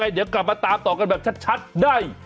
เดี๋ยวกลับมาตามต่อกันแบบชัดได้